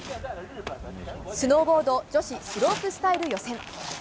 スノーボード女子スロープスタイル予選。